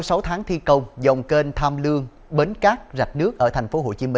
sau sáu tháng thi công dòng kênh tham lương bến cát rạch nước ở tp hcm